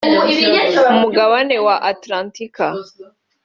umugabane wa Antarctica